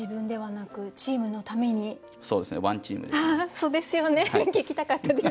そうですよね聞きたかったです